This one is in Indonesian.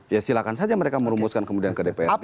ya silahkan saja mereka merumuskan kemudian ke dpr